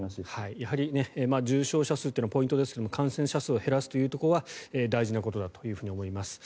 やはり重症者数というのはポイントですが感染者数を減らすところは大事なことだと思います。